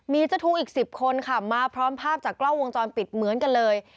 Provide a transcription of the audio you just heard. มีเจ้าทุกข์อีก๑๐คนค่ะมาพร้อมภาพจากกล้องวงจรปิดเหมือนกันเลย